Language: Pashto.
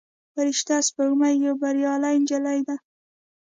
فرشته سپوږمۍ یوه بریالۍ نجلۍ ده.